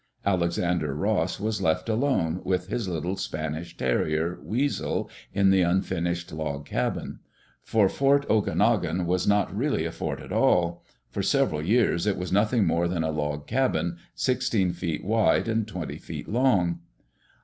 Alexander Ross was left alone, with his little Spanish terrier, Weasel, in the unfinished log cabin. For Fort Okanogan was not really a fort at all. For several years it was nothing more than a log cabin, sixteen feet wide and twenty feet long.